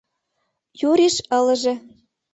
— Юриш ылыже.